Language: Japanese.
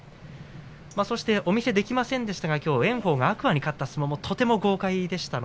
そしてお見せできませんでしたが炎鵬が天空海に勝った相撲もとっても豪快でした。